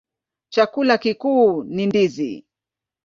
Chakula kikuu ni ndizi.